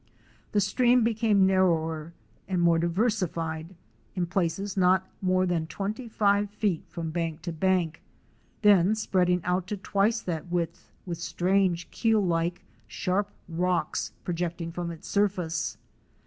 The stream became narrower and more diversified, in places being not more than twenty five feet from bank to bank, then spreading out to twice that width with strange keel like sharp rocks projecting from its surface.